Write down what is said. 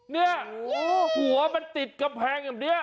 เนี้ยหัวมันติดกระเพงอย่างเนี้ย